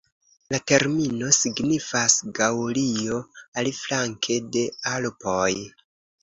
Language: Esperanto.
La termino signifas "Gaŭlio aliflanke de Alpoj".